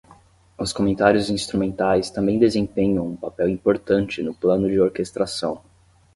Os comentários instrumentais também desempenham um papel importante no plano de orquestração.